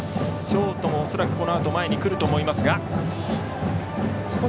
ショート、恐らくこのあと前に来ると思いますが。